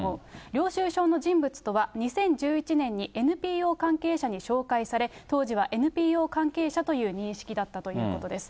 領収書の人物とは、２０１１年にＮＰＯ関係者に紹介され、当時はＮＰＯ関係者という認識だったということです。